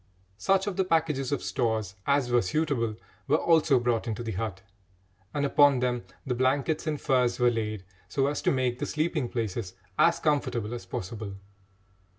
Such of the packages of stores as were suitable were also brought into the hut, and upon them the blankets and furs were laid so as to make the sleeping places as comfortable as possible.